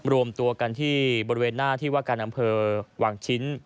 รวมตัวกันที่บริเวณหน้าที่ว่าการอำเภอวังชิ้น